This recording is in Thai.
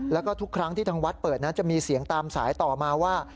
แล้วก็ทุกครั้งที่ทางวัดเปิดนั้นจะมีเสียงตามสายต่อมาว่า